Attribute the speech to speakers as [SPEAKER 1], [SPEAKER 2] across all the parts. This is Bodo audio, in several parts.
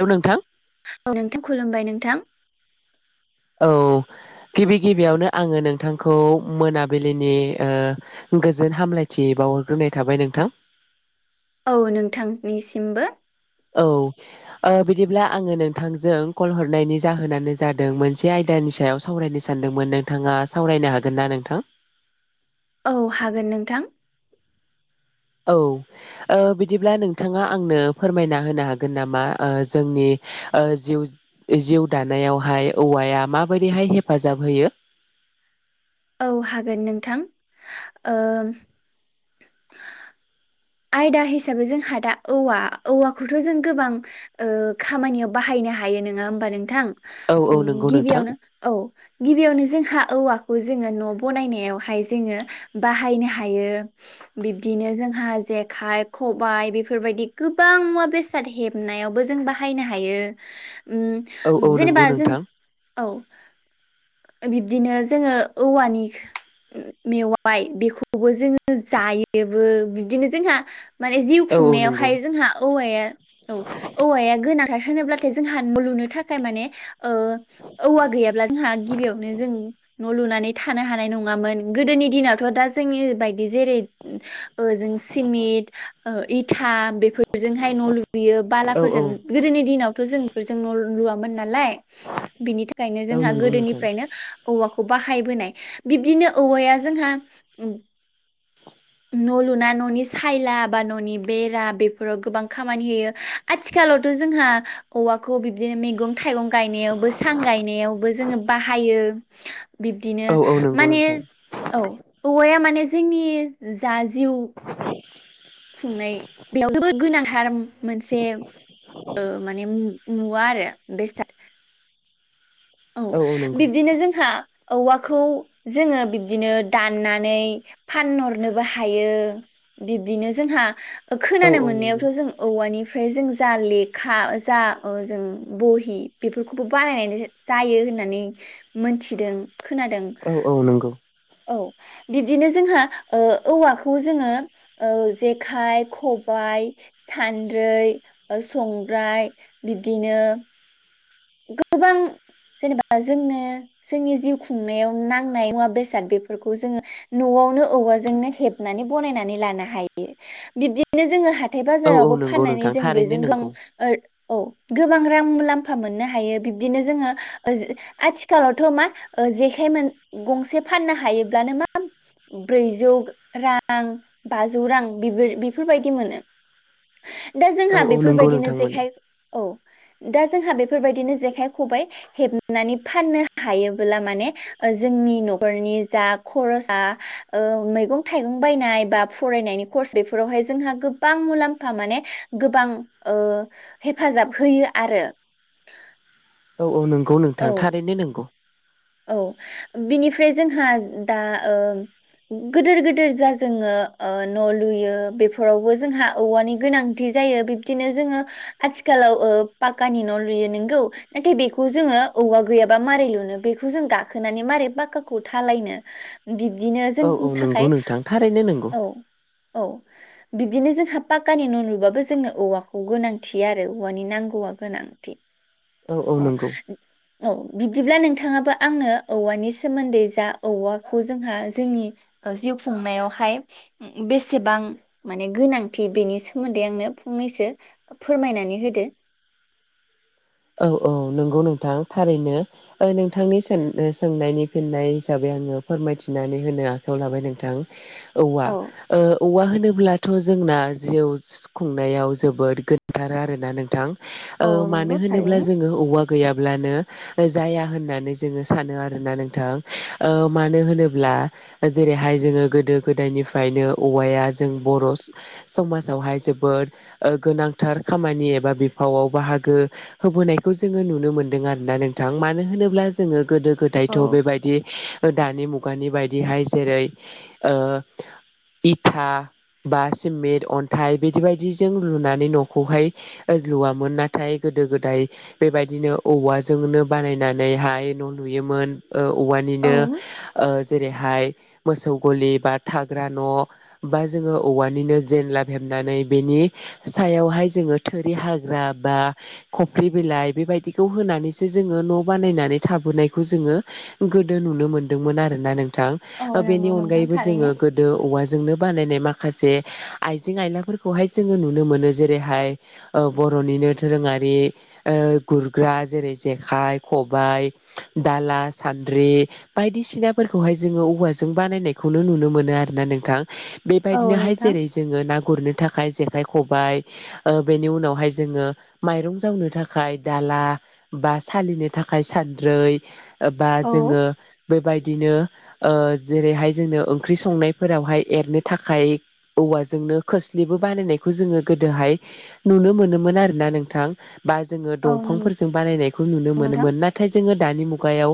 [SPEAKER 1] हेलौ नोंथां
[SPEAKER 2] औ नोंथां खुलुमबाय नोंथां
[SPEAKER 1] औ गिबि गिबियावनो आंङो नोंथांखौ मोनाबिलिनि ओ गोजोन हामलायथि बावहरग्रोनाय थाबाय नोंथां
[SPEAKER 2] औ नोंथांनिसिमबो
[SPEAKER 1] औ ओ बिदिब्ला आंङो नोंथांजों कल हरनायनि जाहोनानो जादों मोनसे आयदानि सायाव सावरायनो सानदोंमोन नोंथांङा सावरायनो हागोन ना नोंथां
[SPEAKER 2] औ हागोन नोंथां
[SPEAKER 1] औ ओ बिदिब्ला नोंथांङा आंनो फोरमायना होनो हागोन नामा ओ जोंनि ओ जिउ- जिउ दानायावहाय औवाया माबोरैहाय हेफाजाब होयो [inaudible]
[SPEAKER 2] औ हागोन नोंथां ओ आयदा हिसाबै जोंहा दा औवा औवाखौथ' जों गोबां ओ खामानियाव बाहायनो नो हायो नंङा होमबा नोंथां?
[SPEAKER 1] औ औ
[SPEAKER 2] उम
[SPEAKER 1] नंगौ नोंथां
[SPEAKER 2] गिबियावनो औ गिबियावनो जोंहा औवाखौ जोंङो न' बनायनायावहाय जोंङो बाहायनो हायो बिब्दिनो जोंहा जेखाइ-खबाइ बेफोरबायदि गोबां मुवा- बेसाद हेबनायावबो जों बाहायनो हायो
[SPEAKER 1] औ औ
[SPEAKER 2] उम
[SPEAKER 1] नंगौ
[SPEAKER 2] जेनेबा जों
[SPEAKER 1] नोंथां
[SPEAKER 2] औ।
[SPEAKER 1] [inaudible]
[SPEAKER 2] बिब्दिनो जोंङो औवानि मेवाय बेखौबो जोंङो जायोबो बिदिनो जोंहा माने जिउ
[SPEAKER 1] औ औ नंगौ
[SPEAKER 2] खुंनायावहाय जोंहा औवाया औ औवाया गोनांथार थोब्लाथाय जोंहा न' लुनो थाखाय थाखाय माने ओ औवा गैयाब्ला जोंहा गिबियावनो जों न' लुनानै थानो हानाय नंङा नंङामोन गोदोनि दिनावथ' दा जोंनि बायदि जेरै ओ सिमेन्ट ओ इथा बेफोरजोंहाय न' लुैयो
[SPEAKER 1] औ
[SPEAKER 2] बालाफोरजों
[SPEAKER 1] औ
[SPEAKER 2] गोदोनि दिनावथ' जों बेफोरजों न' लुवा मोन नालाय बिनि थाखायनो
[SPEAKER 1] औ
[SPEAKER 2] जोंहा
[SPEAKER 1] नंगौ नोंथां
[SPEAKER 2] गोदोनिफ्रायनो औवाखौ बाहा फाय फैनाय बिब्दिनो औवाया जोंहा उम न' लुना, न'नि सायला बा न'नि बेरा बेफोराव गोबां खामानि होयो आथिखालावथ जों हा औवाखौ बि दि मैगं - थाइगं गायनायावबो सां गायनायावबो जोङो बाहायो बिब्दिनो
[SPEAKER 1] औ औ नंगौ
[SPEAKER 2] माने
[SPEAKER 1] नोंथां
[SPEAKER 2] औ औवाया माने जोंनि जा जिउ खुंनाय बेयाव जोबोद गोनांथार मोनसे ओ माने मु मुवा आरो बेस्था औ बिब्दिनो जोंहा औवा खौ जोङो बिब्दिनो दाननानै फानहरनोबो हायो बिब दिनो जोंहा ओ
[SPEAKER 1] औ
[SPEAKER 2] खोनानो
[SPEAKER 1] औ नंगौ
[SPEAKER 2] मोननायावथ' जों औवानि फ्राय जों जानलि खा जा ओ जों बहि बेफोरखौबो बाहायनाय जायो होननानै मोनथिदों खोनादों
[SPEAKER 1] औ औ नंगौ
[SPEAKER 2] औ । बिब्दिनो जोंहा ओ औवाखौ जोङो ओ जेखाइ खबाइ सानद्रै ओ संग्राय बिब्दिनो गोबां जेनेबा जोंनो जोंनि जिउ खुंनायाव नांनाय मुवा बेसाद बेफोरखौबो जोङो नआव आवनो औवाजोंनो हेबनानै बनायनानै लानो हायो बिब्दिनो जोङोहाय हाथाय
[SPEAKER 1] औ औ
[SPEAKER 2] बाजारावबो
[SPEAKER 1] नंगौ
[SPEAKER 2] फाननानै
[SPEAKER 1] नोंथां
[SPEAKER 2] जों
[SPEAKER 1] थारैनो
[SPEAKER 2] बेजों गों
[SPEAKER 1] नंगौ
[SPEAKER 2] ओर औ गोबां रां मुलाम्फा मोननो हा हायो बिब्दिनो जोङो ओ जो आथिखालावथ मा ओ जेखाइ मोन गंसे फाननो हायो हायोब्लानो माम ब्रैजौ रां बाजौ रां बेबोर बेफोरबायदि मोनो ।
[SPEAKER 1] [inaudible]
[SPEAKER 2] दा
[SPEAKER 1] औ
[SPEAKER 2] जोंहा
[SPEAKER 1] औ नंगौ
[SPEAKER 2] बेफोरबायदिनो
[SPEAKER 1] नोंथां माने
[SPEAKER 2] जेखाइ औ दा जोंहा बे बेफोरबायदिनो जेखाइ खबाइ हेबनानै फाननो हायोब्ला माने ओ जोंनि नखरनि नि जा खरसा ओ मैगं थाइगं बायनाय बा फनायनि खरस बेफोराव जोंहा गोबां मुलाम्फा माने गोबां ओ हेफाजाब होयो आरो ।
[SPEAKER 1] औ औ नंगौ
[SPEAKER 2] औ
[SPEAKER 1] नोंथां थारैनो नंगौ ।
[SPEAKER 2] औ बिनिफ्राय जोंहा दा ओ गोदिर गोदिर दा जोङो ओ न लुयो बेफोरावबो जोंहा औवानि गोनांथि जायो बिब्दिनो जोङो आथिखालाव ओ पाक्कानि न लुयो नोंगौ नाथाय बेखौ जोङो औवा गैयाबा मारै लुनो बेखौ जों गाखोनानै मारै पाक्काखौ थालायनो बिब दिनो
[SPEAKER 1] औ औ
[SPEAKER 2] जोंनि
[SPEAKER 1] नंगौ
[SPEAKER 2] थाखाय
[SPEAKER 1] नोंथां थारैनो नंगौ
[SPEAKER 2] औ औ बिब्दिनो जोंहा पाक्कानि न लुबाबो जोंनो औवाखौ गोनांथि आरो औवानि नांगौआ गोनां । थि औ औ बिब्दिब्ला नोंथाङा बो आंनो औवानि सोमोन्दै जा औवाखौ जोंहा जोंनि ओ जिउ खुंनायावहाय ओ बेसेबां माने गोनांथि बेनि सोमोन्दै आंनो फंनैसो फोरमायनानै होदो ।
[SPEAKER 1] [inaudible] औ औ नंगौ नोंथां थारैनो ओ नोंथांनि सों ओ सोंनायनि फिननाय हिसाबै आङो फोरमायथिनानै होनो आखायाव लाबाय नोंथां औवा
[SPEAKER 2] औ
[SPEAKER 1] ओ औवा होनोब्ला थ' जोंना जिउ खुंनायाव जोबोद गोनांथार आरोना नोंथां । ओ
[SPEAKER 2] औ
[SPEAKER 1] मानो
[SPEAKER 2] नंगौ
[SPEAKER 1] होनोब्ला
[SPEAKER 2] थारैनो
[SPEAKER 1] जोङो औवा गैया ब्लानो जाया होननानै जोङो सानो आरोना नोंथां ओ मानो होनोब्ला जेरैहाय जोङो गोदो गोदायनिफ्रायनो औवाया जों बर समाजावहाय जोब बोद ओ गोनांथार खामानि एबा बिफावआव बाहागो होबोनायखौ जोङो नुनो मोन्दों आरो ना नोंथां मानो होनोब्ला जोङो गोदो
[SPEAKER 2] औ
[SPEAKER 1] गोदायथ'बेबायदि ओ दानि मुगानि बायदिहाय जेरै ओ इथा बा सिमिट अन्थाइ बिदि बायदिजों लुनानै नखौहाय ओ लुवामोन नाथाय गोदो गोद दाय बेबायदिनो औवाजोंनो बानायनानैहाय न लुयोमोन । ओ
[SPEAKER 2] औ
[SPEAKER 1] औवानिनो ओ जेरैहाय मोसौ गलि बा थाग्रा न' बा जोङो औवानिनो जेनलाब हेबनानै बेनि सायावहाय जोङो थोरि हाग्रा बा खफ्रि बिलाइ बेबायदिखौ होनानैसो जोङो न' बानायनानै थाबोनायखौ जोङो गोदो नुनो मोनदोंमोन आरोना नोंथा
[SPEAKER 2] औ
[SPEAKER 1] बेनि
[SPEAKER 2] नंगौ नोंथां
[SPEAKER 1] अनायैबो जोङो
[SPEAKER 2] थारैनो
[SPEAKER 1] गोदो औवा जोंनो बानायनाय मा माखासे आइजें आयलाफोरखौहाय जोङो नुनो मोनो जेरैहाय ओ बर'निनो दोरोङा रि ओ गुरग्रा जेरै जेखाय खबाय दाला सानद्रि बायदिसिनाफोरखौहाय जोङो औवाजों बानायनायखौनो नुनो मोनो आरोना नोंथां ।
[SPEAKER 2] औ
[SPEAKER 1] बेबायदिनोहाय
[SPEAKER 2] नोंथां
[SPEAKER 1] जेरै जोङो ना गुरनो थाखाय जेखाइ खबाय ओ बेनि उनावहाय जोङो माइरं जावनो थाखाय दाला बा सालिनो थाखाय सानद्रै ओ बा
[SPEAKER 2] औ
[SPEAKER 1] जोङो बेबायदिनो ओ जेरैहाय जोंनो ओंख्रि संनायफोरावहाय एरनो थाखाय औवाजोंनो खोस्लिबो बानायनायखौ जोङो गोदोहाय नुनो मोनोमोन आरो ना नों थां बा जोङो
[SPEAKER 2] औ नंगौ
[SPEAKER 1] दंफांफोरजों बानायनायखौ नुनो
[SPEAKER 2] नोंथां
[SPEAKER 1] मोनोमोन नाथाय जोङो दानि मुगायाव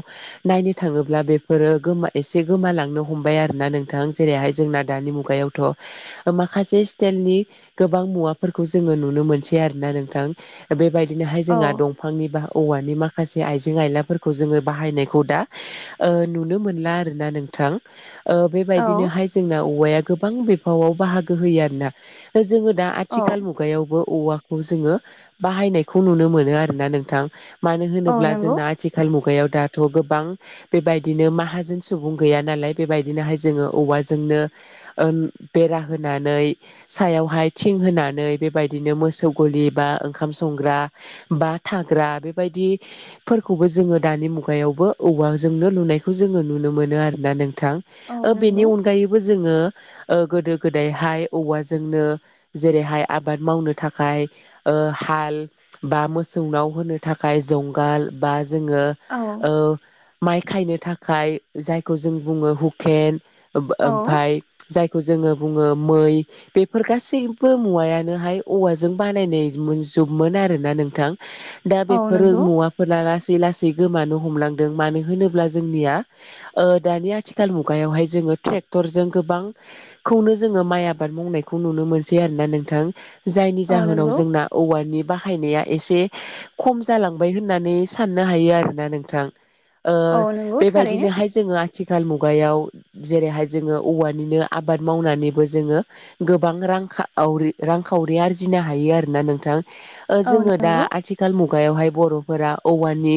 [SPEAKER 1] नायनो थाङोब्ला बेफोरो गोमा एसे गोमालांनो हमबाय आरोना नोंथां जेरैहाय जोंना दानि दिनि मुगायावथ' माखासे स्टाइलनि गोबां मुवाफोरखौ जोङो नुनो मोनसै आरोना नोंथां। बेबायदिनोहाय जोंहा
[SPEAKER 2] औ
[SPEAKER 1] दंफांनि बा औवानि माखासे आइजें आयलाफोरखौ जोङो बाहायनायखौ दा नुनो ओ मोनला आरोना नों थां। ओ
[SPEAKER 2] औ
[SPEAKER 1] बेबायदिनोहाय जोंना औवाया गोबां बिफावाव बाहागो होयो आरोना जोङो दा
[SPEAKER 2] औ
[SPEAKER 1] आथिखाल मुगायावबो औवाखौ जोङो बाहायनायखौ नुनो मोनो आरो ना नोंथां। मानो
[SPEAKER 2] औ
[SPEAKER 1] होनोब्ला
[SPEAKER 2] नंगौ
[SPEAKER 1] जोंना आथिखाल मुगायाव दाथ' गोबां बेबायदिनो माहाजोन सुबुं गैया नालाय बेबायदिनोहाय जोङो औवाजोंनो ओ बेरा होनानै सायावहाय थिं होनानै बेबायदिनो मोसौ ग बिबा ओ ओंखाम संग्रा बा थाग्रा बेबायदिफोरखौबो जोङो दानि मुगायावबो ओंख औवाजोंनो लुनायखौ जोङो नुनो मोनो आरो ना नोंथां
[SPEAKER 2] औ
[SPEAKER 1] ओ बेनि
[SPEAKER 2] नंगौ
[SPEAKER 1] अनगायैबो जोङो ओ गोदो गोदायहाय औवाजोंनो जेरैहाय आबाद मावनो थाखाय ओ हाल बा मोसौनाव होनो थाखाय जंगाल बा जोङो
[SPEAKER 2] औ
[SPEAKER 1] ओ माइ खायनो थाखाय जायखौ जों बुङो हुकेन ओम
[SPEAKER 2] औ
[SPEAKER 1] ओमफाय जायखौ जोङो बुङो मै बेफोर गासैबो मुवायानोहाय औवाजों बानायनाय जुबमोन आरोना नोंथां दा
[SPEAKER 2] औ
[SPEAKER 1] बेफोर
[SPEAKER 2] नंगौ
[SPEAKER 1] मुवाफोरा लासै लासै लासै गोमानो हमलांदों मानो होनोब्ला जोंनिया ओ दानि आथिखाल मुगायावहाय जों ट्रेक्टर जों गोबांखौनो जोङो माइ आबाद मावनायखौ नुनो मोनसै आरोना नोंथां। जायनि
[SPEAKER 2] औ
[SPEAKER 1] जाहोनाव
[SPEAKER 2] नंगौ
[SPEAKER 1] जोंना औवानि बाहायनाया एसे खम जालांबाय होननानै साननो हायो आरोना नोंथां। ओ
[SPEAKER 2] औ नंगौ थारैनो
[SPEAKER 1] बेबायदिनोहाय जोङो आथिखाल मुगायाव जेरैहाय जोङो औवानिनो आबाद मावनानैबो जोङो गोबां रांखाउरि रांखाउरि आरजिनो हायो आरो ना नोंथां ओ
[SPEAKER 2] औ
[SPEAKER 1] जोङो दा
[SPEAKER 2] नंगौ
[SPEAKER 1] आथिखाल मुग मचगायावहाय बर'फोरा औवानि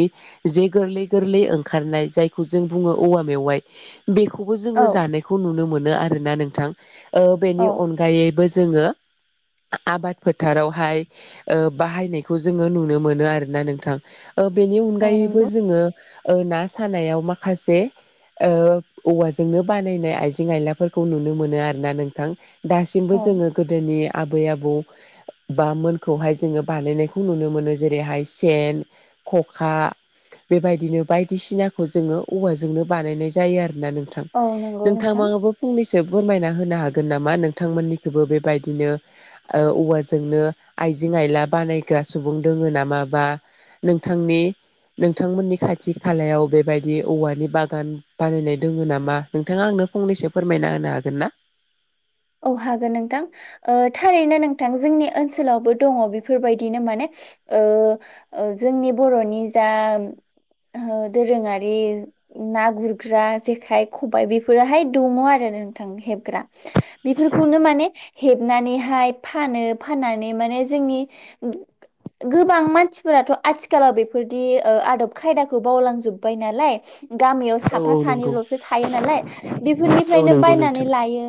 [SPEAKER 1] जे गोरलै गोरलै ओंखारनाय जायखौ जों बुङो औवा मे मेवाइ। बेखौबो
[SPEAKER 2] औ
[SPEAKER 1] जोङो जानायखौ नुनो मोनो आरोना नोंथां ओ बेनि
[SPEAKER 2] औ
[SPEAKER 1] अनगायै बो जोङो आबाद फोथारावहाय ओ बाहायनायखौ जोङो नुनो मोनो आरोना नोंथां ओ बेनि
[SPEAKER 2] औ
[SPEAKER 1] अनगायैबो
[SPEAKER 2] नंगौ
[SPEAKER 1] जोङो ओ ना सानायाव माखासे ओ औवाजोंनो बानायनाय आइजें-आयलाफोर खौ नुनो मोनो आरोना नोंथां। दासिमबो
[SPEAKER 2] औ
[SPEAKER 1] जोङो गोदोनि आबै आबौ बा मोन खौहाय जोङो बानायनायखौ नुनो मोनो जेरैहाय सेन, ख'खा बेबायदिनो बायदिसिनाखौ जोङो औवाजोंनो बानायनाय जायो आर ना नोंथां
[SPEAKER 2] औ नंगौ
[SPEAKER 1] नोंथांया
[SPEAKER 2] नोंथां
[SPEAKER 1] माबाफो फंनैसो सो फोरमायना होनो हागोन नामा नोंथांमोननिखौबो बेबायदिनो ओ औवाजोंनो आइजें-आइला बानायग्रा सुबुं दोङो नामा बा नोंथांनि नोंथांमोननि खाथि खालायाव बेबायदि औवानि बागान बानायनाय दोङो नामा नोंथाङा आंनो नो फंनैसो फोरमायना होनो हागोन ना?
[SPEAKER 2] औ हागोन नोंथां ओ थारैनो नोंथां जोंनि ओनसोलावबो दङ बेफोरबायदिनो माने ओ ओ जोंनि बर'नि जा ओ दोरोङारि ना गुरग्रा जेखाइ खबाइ बेफोराहाय दङ आरो ना नोंथां हेबग्रा बेफोरखौनो माने हेबनानैहाय फानो फाननानै माने जोंनि उम गोबां मानसिफोराथ' आथिखालाव बेफोरदि ओ आदब खायदाखौ बावलांजोबबाय नालाय गामियाव
[SPEAKER 1] औ औ
[SPEAKER 2] साफा
[SPEAKER 1] नंगौ
[SPEAKER 2] सानैल'सो थायो नालाय
[SPEAKER 1] औ
[SPEAKER 2] बेफोरनिफ्रायनो
[SPEAKER 1] नंगौ नोंथां
[SPEAKER 2] बायनानै लायो।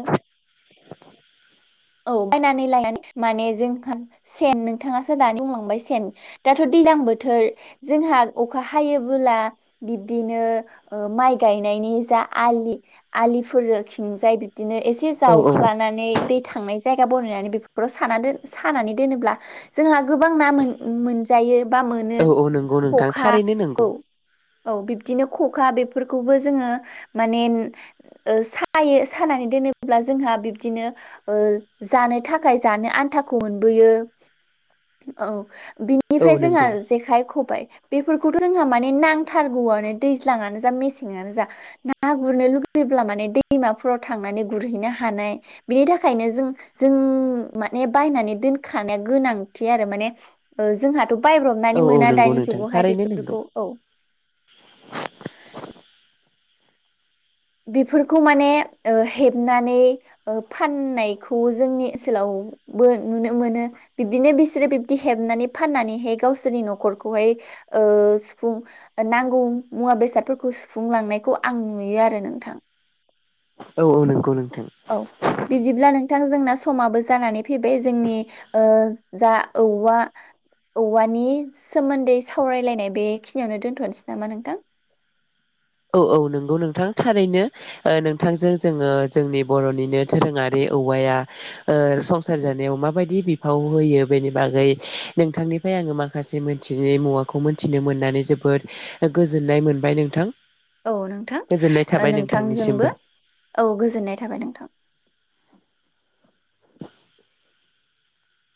[SPEAKER 1] [unintelligible]
[SPEAKER 2] औ बायनानै लानानै माने जोंहा सेन नोंथाङासो दानि बुंलांबाय सेन दाथ' दैज्लां बोथोर जोंहा अखा हायोबोला बिबदिनो ओ माइ गायनायनि जा आलि आलिफोरो खिंजाय बि दिनो एसे
[SPEAKER 1] औ औ
[SPEAKER 2] जावख्लानानै दै थांनाय जायगा बनायनानै बेफो फोराव सानादोन सानानै दोनोब्ला जोंहा गोबां ना मोन उम मोनजायो बा मोनो
[SPEAKER 1] औ औ नंगौ नोंथां
[SPEAKER 2] ख'खा
[SPEAKER 1] थारैनो
[SPEAKER 2] औ
[SPEAKER 1] नंगौ
[SPEAKER 2] औ बिब्दिनो ख'खा बेफोरखौबो जोङो मानेन ओ सायो सानानै दोनोब्ला जोंहा बिब्दिनो ओ जानो थाखाय जानो आन्थाखौ मोनबोयो औ
[SPEAKER 1] औ
[SPEAKER 2] बिनिफ्राय जोंहा
[SPEAKER 1] नंगौ
[SPEAKER 2] जेखाइ खबाइ बेफोरखौथ' जोंहा माने नांथारगौआनो दैज्लाङानो जा मेसेंआनो जा ना गुरनो लुुगै योब्ला माने दैमाफोराव थांनानै गुरहैनो हानाय बिनि था खायनो जों जों माने बायनानै दोनखानाया गोनांथि आरो माने ओ जोंहाथ'
[SPEAKER 1] औ
[SPEAKER 2] बायब्रबनानै
[SPEAKER 1] औ
[SPEAKER 2] मोना
[SPEAKER 1] नंगौ
[SPEAKER 2] दानि
[SPEAKER 1] नोंथां
[SPEAKER 2] जुगावहाय
[SPEAKER 1] थारैनो नंगौ
[SPEAKER 2] बेफोरखौ औ। बेफोरखौ माने ओ हेबनानै ओ फाननायखौ जोंनि ओनसोलाव आवबो नुनो मोनो बिब्दिनो बिसोरो बिब्दि हेबनानै फाननानैहाय गावसोरनि न'खरखौहाय ओ सुफुं ओ नांगौ मुवा बेसादफोरखौ सुफुंलांनायखौ आं नुयो आरो नों थां।
[SPEAKER 1] औ औ नोंगौ नों
[SPEAKER 2] औ बिबदिब्ला नों थां जोंना समाबो जानानै फैबाय जोंनि ओ जा औवा औवानि सोमोन्दै सावरायलायनाय बेखिनियावनो दोनथनसै नामा नोंथां?
[SPEAKER 1] [unintelligible] औ औ नोंगौ नोंथां थारैनो ओ नोंथांजों जोङो जोंनि बर'निनो दोरोङारि औवाया ओ संसार जानायाव माबायदि बिफाव होयो बेनि बागै नोंथांनि फ्राय आङो माखासे मोनथियै मुवाखौ मोनथिनो मोननानै जोबोद गोजोननाय मोनबाय नोंथां।
[SPEAKER 2] औ नोंथां
[SPEAKER 1] गोजोननाय
[SPEAKER 2] ओ
[SPEAKER 1] थाबाय नोंथांनिसिमबो।
[SPEAKER 2] नोंथांजोंबो औ गोजोननाय थाबाय नोंथां।